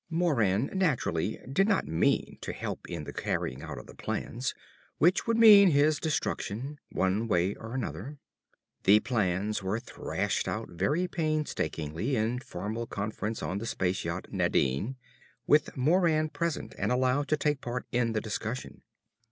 Moran, naturally, did not mean to help in the carrying out of the plans which would mean his destruction one way or another. The plans were thrashed out very painstakingly, in formal conference on the space yacht Nadine, with Moran present and allowed to take part in the discussion.